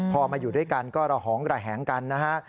พอมาอยู่ด้วยกันก็ระหองระแหงกันนะฮะ